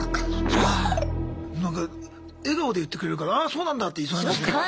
なんか笑顔で言ってくれるからああそうなんだって言いそうになる。